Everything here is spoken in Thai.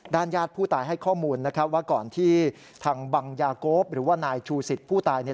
ญาติผู้ตายให้ข้อมูลนะครับว่าก่อนที่ทางบังยาโกฟหรือว่านายชูสิตผู้ตาย